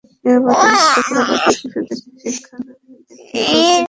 নিরাপত্তা নিশ্চিত করার পাশাপাশি শিশুদের শিক্ষার দিকটিকেও গুরুত্বের সঙ্গে বিবেচনায় নিতে হবে।